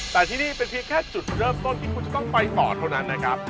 แต่ที่นี่เป็นเพียงแค่จุดเริ่มต้นที่คุณจะต้องไปต่อเท่านั้นนะครับ